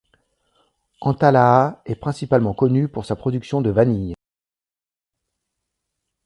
Antalaha est principalement connue pour sa production de vanille.